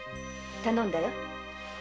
頼んだよ。